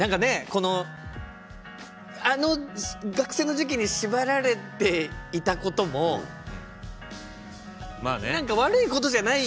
このあの学生の時期に縛られていたことも何か悪いことじゃない。